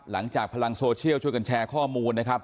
หลังจากพลังโซเชียลช่วยกันแชร์ข้อมูลนะครับ